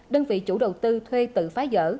đơn vị chủ đầu tư thuê tự phá dở